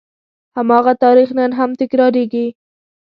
هماغه تاریخ نن هم تکرارېږي.